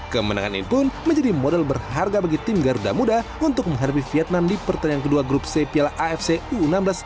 kemenangan ini pun menjadi modal berharga bagi tim garuda muda untuk menghadapi vietnam di pertandingan kedua grup c piala afc u enam belas